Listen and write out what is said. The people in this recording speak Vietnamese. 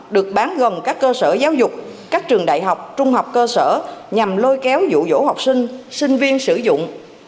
được bán gần các cơ sở giáo dục các trường đại học trung học cơ sở nhằm lôi kéo dụ dỗ học sinh sinh viên sử dụng